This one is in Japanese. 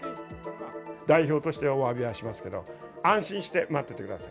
代表としておわびはしますけど、安心して待っててください。